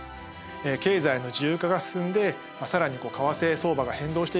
経済の自由化が進んで更に為替相場が変動していく。